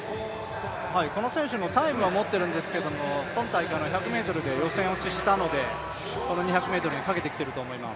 この選手もタイムは持っているんですけれども、今大会の１００ｍで予選落ちしたので、この２００ｍにかけていると思います。